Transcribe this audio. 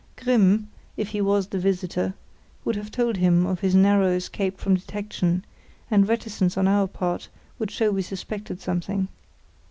Grimm (if he was the visitor) would have told him of his narrow escape from detection, and reticence on our part would show we suspected something.